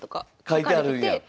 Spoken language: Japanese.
書いてあるんや。